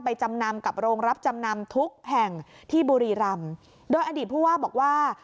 จำนำกับโรงรับจำนำทุกแห่งที่บุรีรำโดยอดีตผู้ว่าบอกว่า